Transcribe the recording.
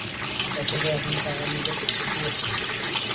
অথচ এখন তা আমার নিকট সবচেয়ে বেশী প্রিয় শহর।